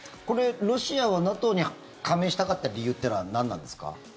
これ、ロシアはＮＡＴＯに加盟したかった理由というのは何なんですか？